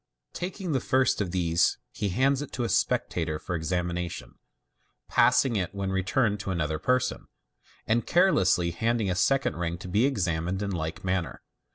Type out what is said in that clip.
Taking the first of these, he hands it to a spectator for examination j passing it when returned to another person, and carelessly handing a second ring to be examined in like manner.